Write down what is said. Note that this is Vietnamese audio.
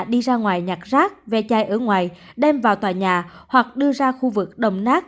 đi ra ngoài nhặt rác ve chai ở ngoài đem vào tòa nhà hoặc đưa ra khu vực đồng nát